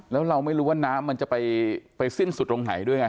แล้วเราไม่รู้ว่าน้ำมันจะไปสิ้นสุดตรงไหนด้วยไง